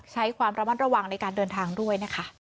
ใช้ความระมัดระวังในการเดินทางด้วยนะคะ